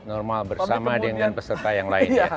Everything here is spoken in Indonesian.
normal bersama dengan peserta yang lainnya